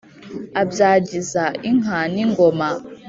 abyagiza inka n'ingoma.